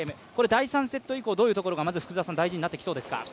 第３セット以降、どういうところが福澤さん、大事になってきそうですか？